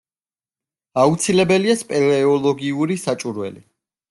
აუცილებელია სპელეოლოგიური საჭურველი.